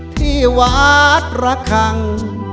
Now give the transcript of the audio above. ที่วัดระคัง